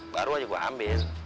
baru aja gua ambil